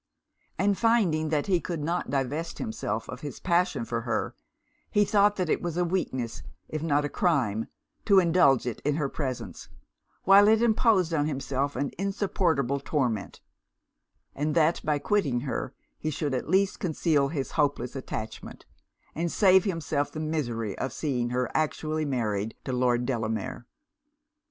And finding that he could not divest himself of his passion for her, he thought that it was a weakness, if not a crime, to indulge it in her presence, while it imposed on himself an insupportable torment; and that, by quitting her, he should at least conceal his hopeless attachment, and save himself the misery of seeing her actually married to Lord Delamere.